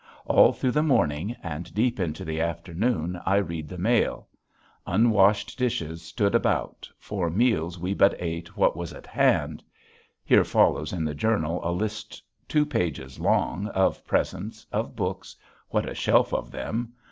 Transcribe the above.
All through the morning and deep into the afternoon I read the mail. Unwashed dishes stood about, for meals we but ate what was at hand. (Here follows in the journal a list two pages long of presents, of books what a shelf of them!